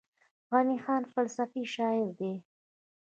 غني خان فلسفي شاعر دی.